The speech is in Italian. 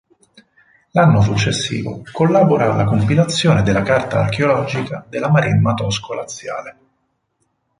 L'anno successivo collabora alla compilazione della carta archeologica della Maremma tosco-laziale.